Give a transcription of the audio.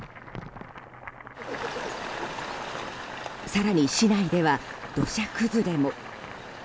更に市内では土砂崩れも。